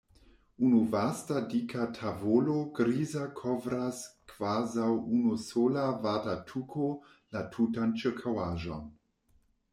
Unu vasta dika tavolo griza kovras kvazaŭ unu sola vata tuko la tutan ĉirkaŭaĵon.